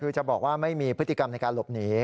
คือจะบอกว่าไม่มีพฤติกรรมในการหลบหนี